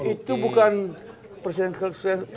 itu bukan presidential club